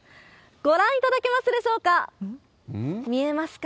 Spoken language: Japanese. ご覧いただけましょうですか？